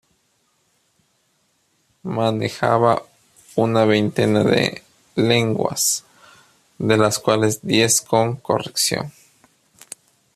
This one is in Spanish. Manejaba una veintena de lenguas, de las cuales diez con corrección.